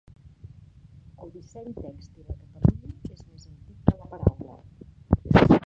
El disseny tèxtil a Catalunya és més antic que la paraula.